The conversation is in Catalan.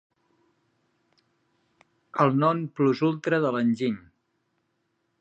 El 'non plus ultra' de l'enginy.